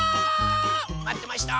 まってました！